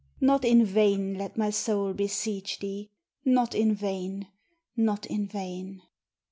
Not in vain let my soul beseech thee! Not in vain! not in vain!